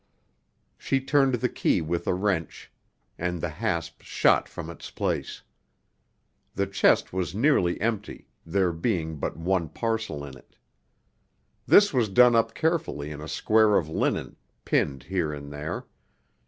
She turned the key with a wrench, and the hasp shot from its place. The chest was nearly empty, there being but one parcel in it. This was done up carefully in a square of linen, pinned here and there.